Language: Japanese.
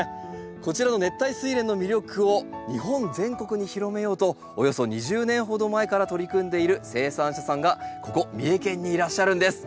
こちらの熱帯スイレンの魅力を日本全国に広めようとおよそ２０年ほど前から取り組んでいる生産者さんがここ三重県にいらっしゃるんです。